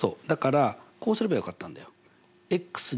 だからこうすればよかったんだよ。